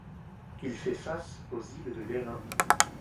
Il fait face aux îles de Lérins.